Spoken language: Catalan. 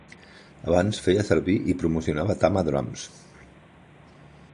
Abans feia servir i promocionava Tama Drums.